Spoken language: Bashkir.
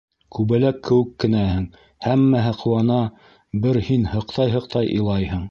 Күбәләк кеүек кенәһең, һәммәһе ҡыуана, бер һин һыҡтай-һыҡтай илайһың.